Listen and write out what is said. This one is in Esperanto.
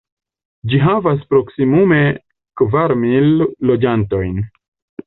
Ĝi havas proksimume kvar mil loĝantojn.